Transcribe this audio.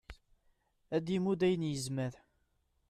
ad d-imudd ayen yezmer